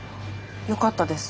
よかったです。